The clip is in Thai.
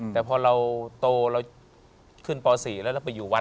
แต่พอเราโตเราขึ้นป๔แล้วเราไปอยู่วัด